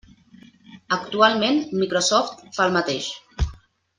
Actualment, Microsoft fa el mateix.